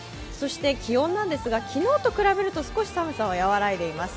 気温なんですが、昨日と比べると少し寒さは和らいでいます。